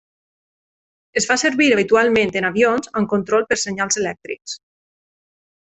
Es fa servir habitualment en avions amb control per senyals elèctrics.